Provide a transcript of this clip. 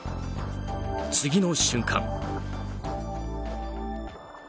次の瞬間。